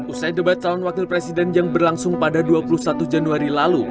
usai debat calon wakil presiden yang berlangsung pada dua puluh satu januari lalu